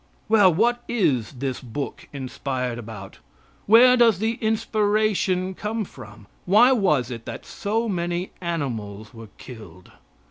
Well, what is this book inspired about? Where does the inspiration come from? Why was it that so many animals were killed?